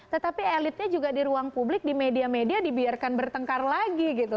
tetapi elitnya juga di ruang publik di media media dibiarkan bertengkar lagi gitu